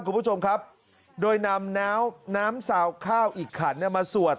คุณผู้ชมครับโดยนำน้ำซาวข้าวอีกขันมาสวด